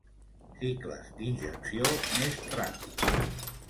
Cicles d'injecció més ràpids.